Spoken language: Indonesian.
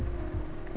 terus kamu ngapain ren